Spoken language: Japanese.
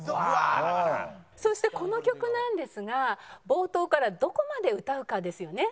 そしてこの曲なんですが冒頭からどこまで歌うかですよね。